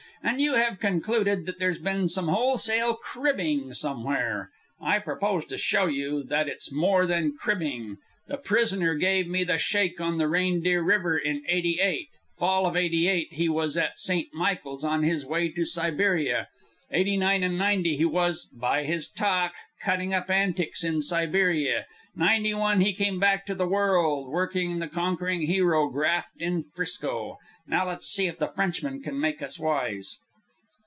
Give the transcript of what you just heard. And you have concluded that there's been some wholesale cribbing somewhere. I propose to show you that it's more than cribbing. The prisoner gave me the shake on the Reindeer River in '88. Fall of '88 he was at St. Michael's on his way to Siberia. '89 and '90 he was, by his talk, cutting up antics in Siberia. '91 he come back to the world, working the conquering hero graft in 'Frisco. Now let's see if the Frenchman can make us wise.